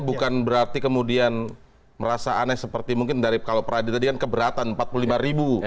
bukan berarti kemudian merasa aneh seperti mungkin dari kalau peradi tadi kan keberatan empat puluh lima ribu